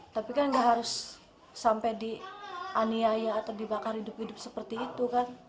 tapi kan gak harus sampai di aniaya atau dibakar hidup hidup seperti itu kan